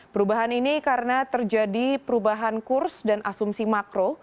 perubahan ini karena terjadi perubahan kurs dan asumsi makro